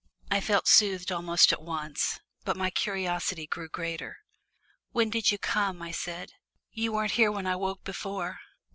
I felt soothed almost at once, but my curiosity grew greater. "When did you come?" I said. "You weren't here when I woke before.